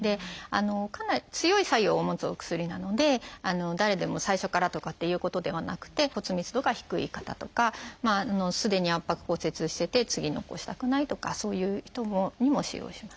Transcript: かなり強い作用を持つお薬なので誰でも最初からとかっていうことではなくて骨密度が低い方とかすでに圧迫骨折してて次に起こしたくないとかそういう人にも使用します。